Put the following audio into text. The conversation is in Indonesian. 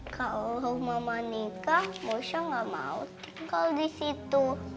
kalau mama nikah mosya gak mau tinggal di situ